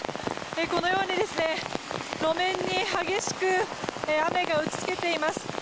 このように路面に激しく雨が打ち付けています。